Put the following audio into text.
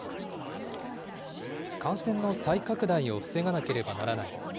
感染の再拡大を防がなければならない。